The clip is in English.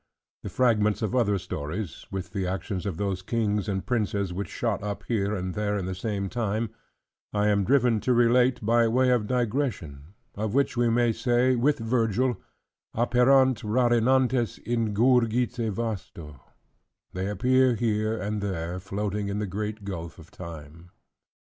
The fragments of other stories, with the actions of those kings and princes which shot up here and there in the same time, I am driven to relate by way of digression: of which we may say with Virgil: "Apparent rari nantes in gurgite vasto"; "They appear here and there floating in the great gulf of time."